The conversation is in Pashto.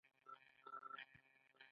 دا غورځنګ د بنسټونو اساسي بدلون لامل شو.